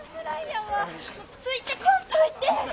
・ついてこんといて！